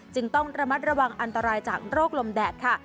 ต้องระมัดระวังอันตรายจากโรคลมแดดค่ะ